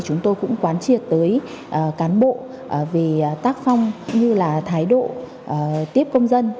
chúng tôi cũng quán triệt tới cán bộ về tác phong như là thái độ tiếp công dân